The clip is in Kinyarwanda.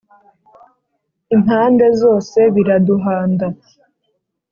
Impande zose biraduhanda !